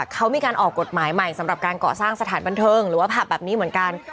เขามีการออกกฎหมายใหม่สำหรับการเกาะสร้างสถานบันเทิงหรือว่าผับแบบนี้เหมือนกัน